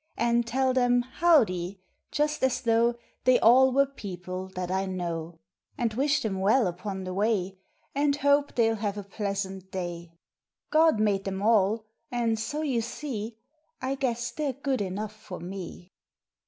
And tell em "howdy" just as though They all were people that I know; And wish em well upon the way, And hope they ll have a pleasant day. God made em all, and so you see I guess they re good enough for me.